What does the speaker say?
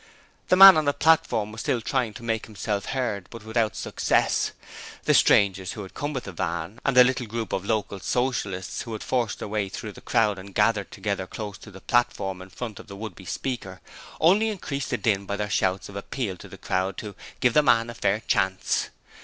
The man on the platform was still trying to make himself heard, but without success. The strangers who had come with the van and the little group of local Socialists, who had forced their way through the crowd and gathered together close to the platform in front of the would be speaker, only increased the din by their shouts of appeal to the crowd to 'give the man a fair chance'.